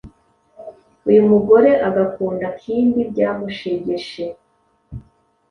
uyu mugore agakunda Kindi byamushegeshe.